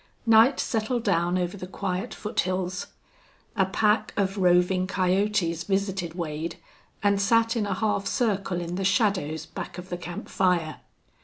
Night settled down over the quiet foothills. A pack of roving coyotes visited Wade, and sat in a half circle in the shadows back of the camp fire.